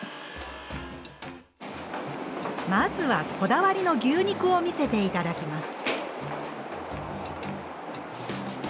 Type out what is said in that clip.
まずはこだわりの牛肉を見せて頂きます。